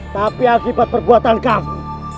tapi akibat perbuatan kamu